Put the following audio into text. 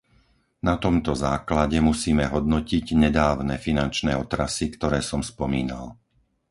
Na tomto základe musíme hodnotiť nedávne finančné otrasy, ktoré som spomínal.